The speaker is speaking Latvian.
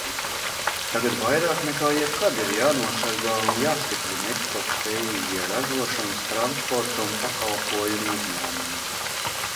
Tagad vairāk nekā jebkad ir jānosargā un jāstiprina eksportspējīgie ražošanas, transporta un pakalpojumu uzņēmumi.